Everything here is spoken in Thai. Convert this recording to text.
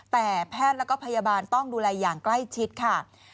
แต่แพทย์แล้วก็พยาบาลต้องดูแลอย่างใกล้ชิดค่ะ